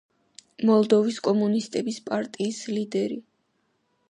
მოლდოვის კომუნისტების პარტიის ლიდერი.